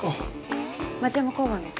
町山交番です。